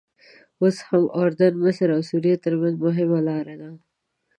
اوس هم د اردن، مصر او سوریې ترمنځ مهمه لاره ده.